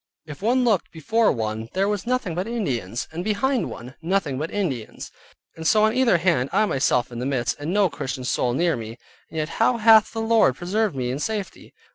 If one looked before one there was nothing but Indians, and behind one, nothing but Indians, and so on either hand, I myself in the midst, and no Christian soul near me, and yet how hath the Lord preserved me in safety?